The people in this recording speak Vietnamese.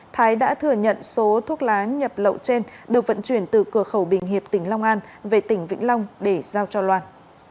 thái đã thừa nhận số thuốc lá nhập lậu trên được vận chuyển từ cửa khẩu bình hiệp tỉnh long an về tỉnh vĩnh long để giao cho loan